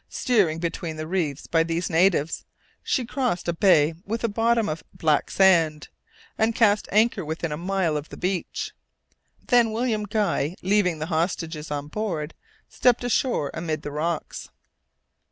Steered between the reefs by these natives, she crossed a bay with a bottom of black sand, and cast anchor within a mile of the beach. Then William Guy, leaving the hostages on board, stepped ashore amid the rocks.